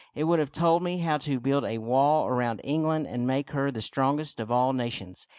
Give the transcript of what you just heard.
It would have told me how to build a wall around England and make her the strongest of all nations.